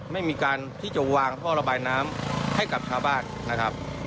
ไม่มีการที่จะวางท่อระบายน้ำให้กับชาวบ้านนะครับ